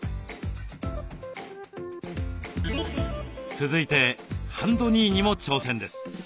続いてハンドニーにも挑戦です。